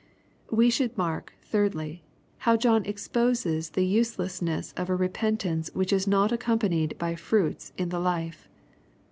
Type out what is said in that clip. We should mark, thirdly, hoio John eoDposes the uae * lessness of a repentance which is not accompanied by fruits in the life.